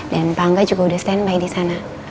dan pak angga juga udah standby di sana